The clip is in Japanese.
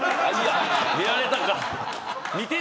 見られたか。